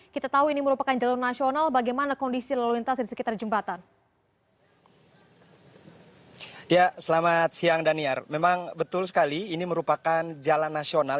kita tahu ini merupakan jalan nasional